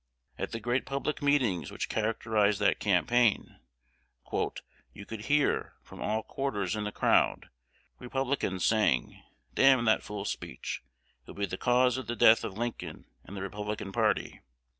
At the great public meetings which characterized that campaign, "you could hear, from all quarters in the crowd, Republicans saying, 'Damn that fool speech! it will be the cause of the death of Lincoln and the Republican party.